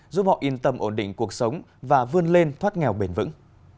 giúp họ yên tâm ổn định cuộc sống và vươn lên thoát nghèo bền vững